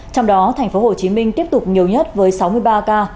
trong đó thành phố hồ chí minh tiếp tục nhiều nhất với sáu mươi ba ca